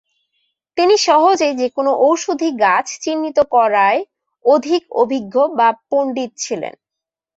তিনি সহজেই যেকোনো ঔষধি গাছ চিহ্নিত করায় অধিক অভিজ্ঞ বা পণ্ডিত ছিলেন।